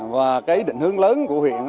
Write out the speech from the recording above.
và cái định hướng lớn của huyện